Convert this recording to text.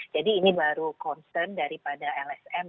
jadi ini baru concern daripada lsm